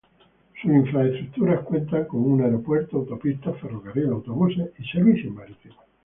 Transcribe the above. Sus infraestructuras cuentan con un aeropuerto, autopistas, ferrocarril, autobuses y servicios marítimos.